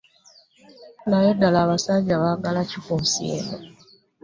Naye ddala abasajja baagala ki ku nsi kuno?